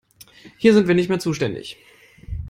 Hier sind wir nicht mehr zuständig.